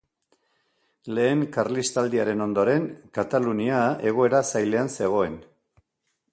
Lehen Karlistaldiaren ondoren, Katalunia egoera zailean zegoen.